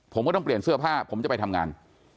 ผมก็ต้องเปลี่ยนเสื้อผ้าผมจะไปทำงาน